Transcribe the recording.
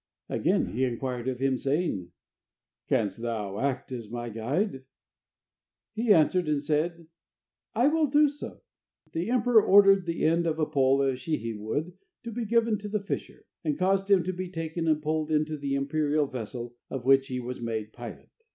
Again he inquired of him, saying: "Canst thou act as my guide?" He answered and said: "I will do so." The emperor ordered the end of a pole of Shihi wood to be given to the fisher, and caused him to be taken and pulled into the imperial vessel, of which he was made pilot.